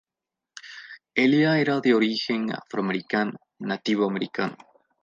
Ella era de origen afroamericano, nativo americano.